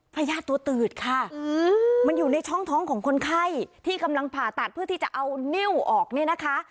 ญาติตัวตืดค่ะมันอยู่ในช่องท้องของคนไข้ที่กำลังผ่าตัดเพื่อที่จะเอานิ้วออกเนี่ยนะคะ